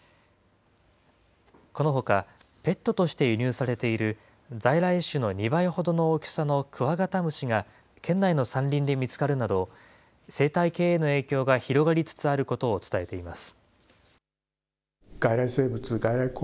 このほか、ペットとして輸入されている、在来種の２倍ほどの大きさのクワガタムシが、県内の山林で見つかるなど、生態系への影響が広がりつつあることを伝えています。